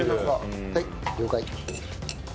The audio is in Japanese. はい了解。